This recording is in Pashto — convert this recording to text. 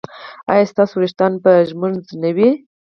ایا ستاسو ویښتان به ږمنځ نه وي؟